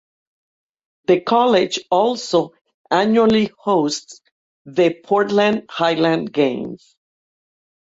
The college also annually hosts the Portland Highland Games.